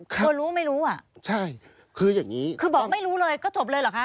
คือรู้ไม่รู้อ่ะคือบอกไม่รู้เลยก็จบเลยหรอคะ